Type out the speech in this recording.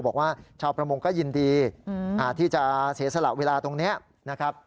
บอกว่าชาวประมงก็ยินดีที่จะเสียสละเวลาตรงนี้นะครับ